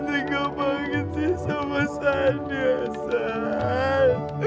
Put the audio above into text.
tengah banget sih sama sani ustaz